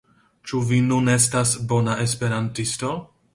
Ĉu vi nun estas bona Esperantisto?